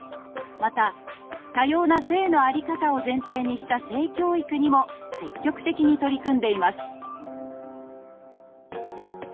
また多様な性のあり方を前提にした性教育にも積極的に取り組んでいます